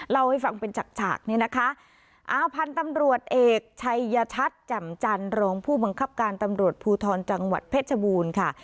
เล่าให้ฟังเป็นฉากฉากเนี่ยนะคะเอาพันธุ์ตำรวจเอกชัยชัดแจ่มจันทร์รองผู้บังคับการตำรวจภูทรจังหวัดเพชรบูรณ์ค่ะ